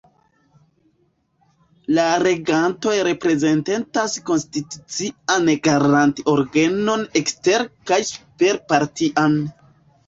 La regantoj reprezentas konstitucian garanti-organon ekster- kaj super-partian.